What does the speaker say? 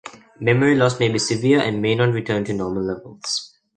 Memory loss may be severe and may not return to normal levels.